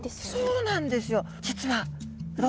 そうなんですよ。